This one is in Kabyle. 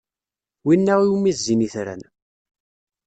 Wina iwumi zzin itran.